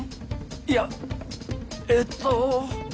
いやえっと。